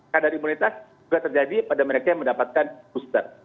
karena imunitas juga terjadi pada mereka yang mendapatkan booster